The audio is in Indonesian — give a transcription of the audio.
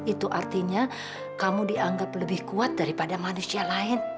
itu artinya kamu dianggap lebih kuat daripada manusia lain